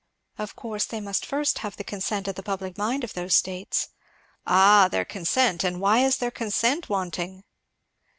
"Of course they must first have the consent of the public mind of those states." "Ah! their consent! and why is their consent wanting?"